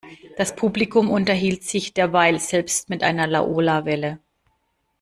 Das Publikum unterhielt sich derweil selbst mit einer Laola-Welle.